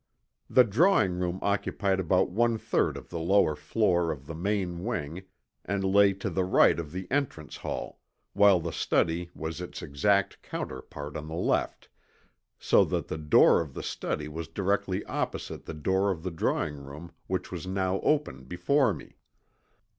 The drawing room occupied about one third of the lower floor of the main wing and lay to the right of the entrance hall, while the study was its exact counterpart on the left, so that the door of the study was directly opposite the door of the drawing room which was now open before me.